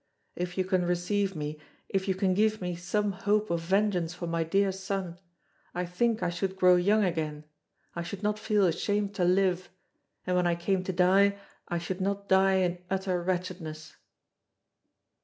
If you can receive me, if you can give me some hope of vengeance for my dear son, I think I should grow young again, I should not feel ashamed to live, and when I came to die I should not die in utter wretchedness."